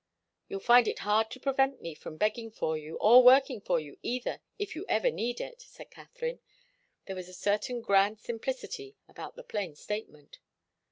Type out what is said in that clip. "You'll find it hard to prevent me from begging for you, or working for you either, if you ever need it," said Katharine. There was a certain grand simplicity about the plain statement.